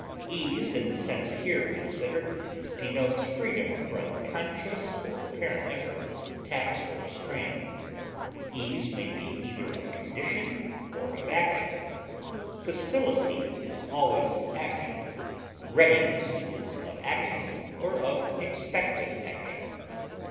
Ease in the sense here considered denotes freedom from conscious or apparent effort, tax, or strain. Ease may be either of condition or of action; facility is always of action; readiness is of action or of expected action.